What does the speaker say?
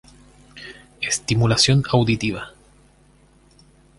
Estimulación auditiva.